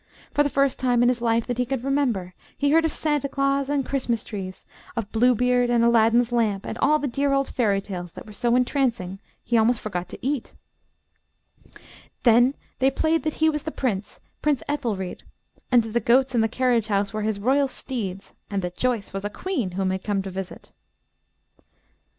For the first time in his life that he could remember, he heard of Santa Claus and Christmas trees, of Bluebeard and Aladdin's lamp, and all the dear old fairy tales that were so entrancing he almost forgot to eat. Then they played that he was the prince, Prince Ethelried, and that the goats in the carriage house were his royal steeds, and that Joyce was a queen whom he had come to visit. [Illustration: A LESSON IN PATRIOTISM.